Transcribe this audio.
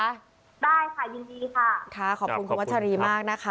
ได้ค่ะยินดีค่ะค่ะขอบคุณคุณวัชรีมากนะคะ